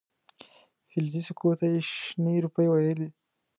فلزي سکو ته یې شنې روپۍ ویلې.